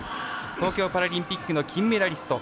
東京パラリンピックの金メダリスト。